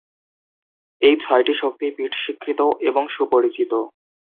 এই ছয়টি শক্তি পিঠ স্বীকৃত এবং সুপরিচিত।